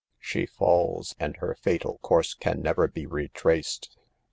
She falls, and her fatal course can never be re traced."